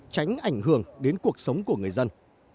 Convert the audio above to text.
tránh ảnh hưởng đến cuộc sống của người dân